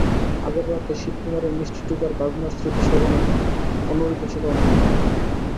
আগের রাতে শিবকুমারের মিষ্টি টোকার বাজনার স্মৃতি শ্রবণে অনুরণিত ছিল অনেকেরই।